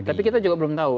tapi kita juga belum tahu